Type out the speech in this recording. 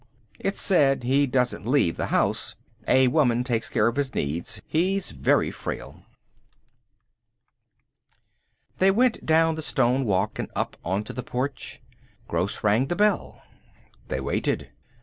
It's said he doesn't leave the house. A woman takes care of his needs. He's very frail." They went down the stone walk and up onto the porch. Gross rang the bell. They waited.